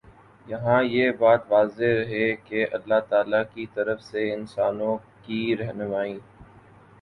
یہاں یہ بات واضح رہے کہ اللہ تعالیٰ کی طرف سے انسانوں کی رہنمائی